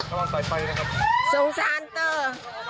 ระวังต่อไปนะครับสงสารเตอร์